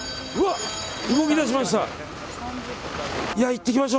動き出しました。